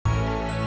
ya ayo kita kejar